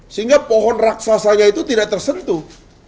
sehingga pohon raksasanya itu tidak tersentuh